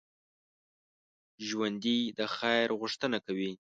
ژوندي د خیر غوښتنه کوي